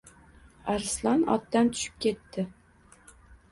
Arslon otdan tushib ketdi